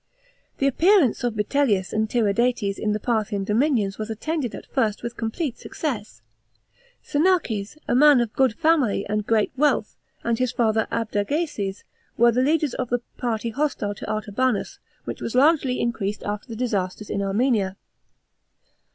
The appear ance of Vitellius and Tindates in the Parthian dominions was attended at first with complete success. Sinnaces, a man of good family and great wealth, and his father Abdageses, were the leaders of the party hostile to Artabanus, which was largely in creased after the disasters in Armenia.